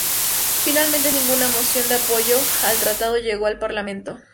Finalmente ninguna moción de apoyo al tratado llegó al Parlamento.